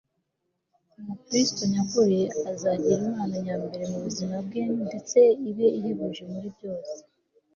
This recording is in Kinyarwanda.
umukristo nyakuri azagira imana nyambere mu buzima bwe ndetse ibe ihebuje muri byose